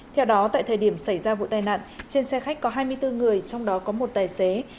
theo đó tại thời điểm xảy ra vụ tai nạn trên xe khách có hai mươi bốn người trong đó có một tài xế